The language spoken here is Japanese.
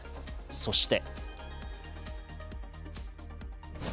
そして。